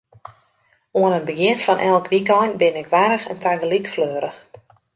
Oan it begjin fan elk wykein bin ik warch en tagelyk fleurich.